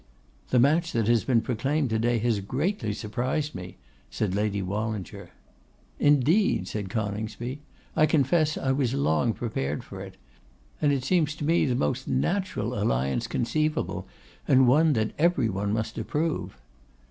'The match that has been proclaimed to day has greatly surprised me,' said Lady Wallinger. 'Indeed!' said Coningsby: 'I confess I was long prepared for it. And it seems to me the most natural alliance conceivable, and one that every one must approve.